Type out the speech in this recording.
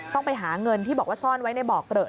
ต้องไปหาเงินที่บอกว่าซ่อนไว้ในบ่อเกลอะ